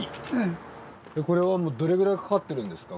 これはもうどれくらいかかってるんですか？